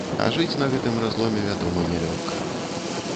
А жыць на гэтым разломе, вядома, нялёгка.